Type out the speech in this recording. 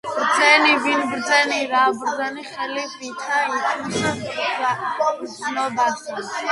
ბრძენი, ვინ ბრძენი, რა ბრძენი, ხელი ვითა იქმს ბრძნობასა